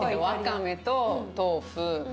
わかめと豆腐。